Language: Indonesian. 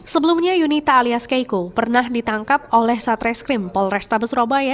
sebelumnya yunita alias keiko pernah ditangkap oleh satreskrim polrestabes surabaya